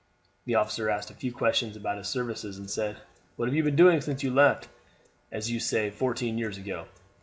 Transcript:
The officer asked a few questions about his services, and said: "What have you been doing since you left, as you say, fourteen years ago?"